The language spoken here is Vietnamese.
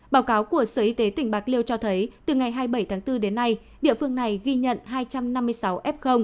báo cáo của sở y tế tỉnh bạc liêu cho thấy từ ngày hai mươi bảy tháng bốn đến nay địa phương này ghi nhận hai trăm năm mươi sáu f